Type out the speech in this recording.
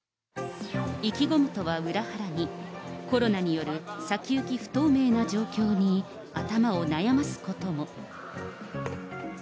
意気込みとは裏腹に、コロナによる先行き不透明な状況に頭を悩ますことも。